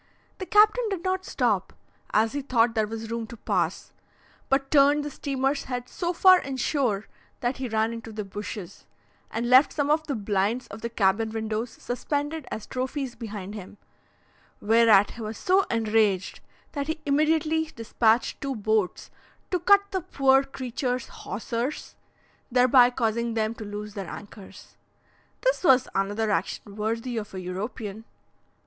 The captain did not stop, as he thought there was room to pass, but turned the steamer's head so far in shore, that he ran into the bushes, and left some of the blinds of the cabin windows suspended as trophies behind him, whereat he was so enraged, that he immediately dispatched two boats to cut the poor creatures' hawsers, thereby causing them to lose their anchors. This was another action worthy of a European!